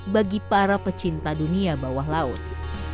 bagi para pecinta dunia bawah laut